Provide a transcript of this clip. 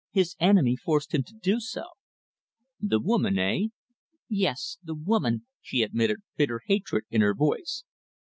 His enemy forced him to do so." "The woman eh?" "Yes, the woman," she admitted, bitter hatred in her voice.